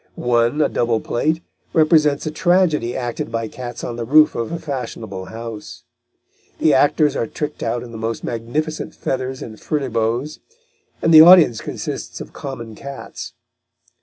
One, a double plate, represents a tragedy acted by cats on the roof of a fashionable house. The actors are tricked out in the most magnificent feathers and furbelows, but the audience consists of common cats.